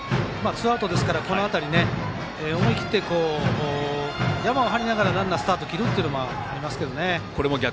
ツーアウトですからこの辺り思い切ってヤマを張りながらランナー、スタートを切るのもありますが。